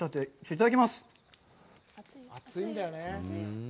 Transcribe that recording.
いただきます。